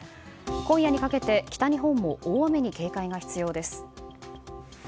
今夜にかけて、北日本も大雨に警戒が必要です。